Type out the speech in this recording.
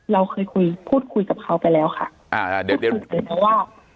เราเคยคุยพูดคุยกับเขาไปแล้วค่ะอ่าเดี๋ยวเดี๋ยวว่า